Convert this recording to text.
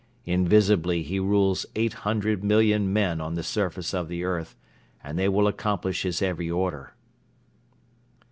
Invisibly he rules eight hundred million men on the surface of the earth and they will accomplish his every order."